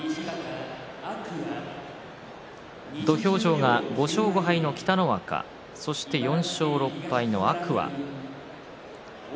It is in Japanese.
土俵上は５勝５敗の北の若そして４勝６敗の天空海。